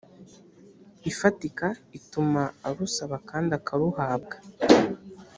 ifatika ituma arusaba kandi akaruhabwa